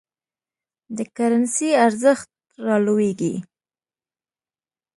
د کرنسۍ ارزښت رالویږي.